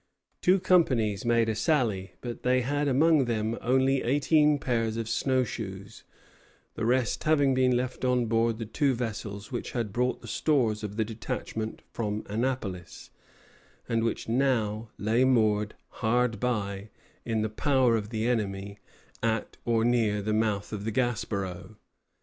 Two companies made a sally; but they had among them only eighteen pairs of snow shoes, the rest having been left on board the two vessels which had brought the stores of the detachment from Annapolis, and which now lay moored hard by, in the power of the enemy, at or near the mouth of the Gaspereau.